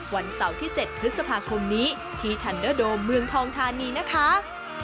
วันเสาร์ที่๗พฤษภาคมนี้ที่ทันเดอร์โดมเมืองทองทานีนะคะ